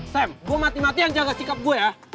sam gue mati mati yang jaga sikap gue ya